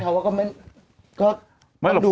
แต่พี่เท้าก็ไม่